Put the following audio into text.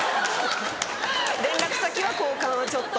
連絡先は交換はちょっと。